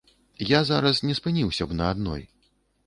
Я зараз не спыніўся б на адной.